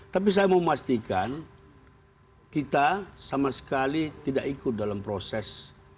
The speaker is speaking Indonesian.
tapi saya mau memastikan kita sama sekali tidak ikut dalam proses